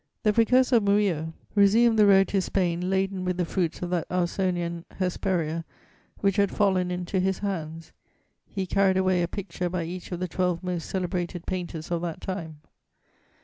The precursor of Murillo resumed the road to Spain laden with the fruits of that Ausonian Hesperia, which had fallen into his hands: he carried away a picture by each of the twelve most celebrated painters of that time.